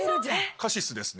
カシスですね。